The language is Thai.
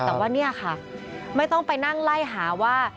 แต่ว่าเนี่ยค่ะไม่ต้องไปนั่งไล่หาว่า